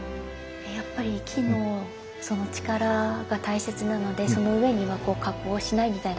やっぱり木の力が大切なのでその上には加工しないみたいな考えですかね。